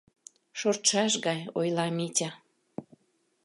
— шортшаш гай ойла Митя.